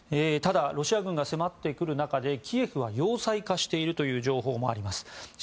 ロシア軍が迫っている中でキエフは要塞化しているという情報もあります。